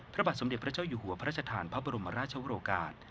พระบาทสมเด็จพระเจ้าอยู่หัวพระราชทานพระบรมราชวรกาศ